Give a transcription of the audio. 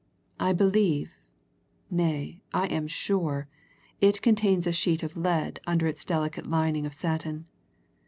I believe nay, I am sure, it contains a sheet of lead under its delicate lining of satin.